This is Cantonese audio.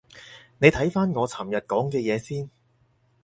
你睇返我尋日講嘅嘢先